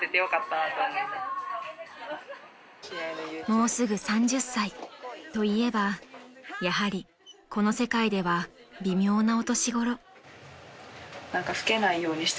［もうすぐ３０歳といえばやはりこの世界では微妙なお年頃］